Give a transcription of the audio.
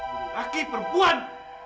bagi laki perempuan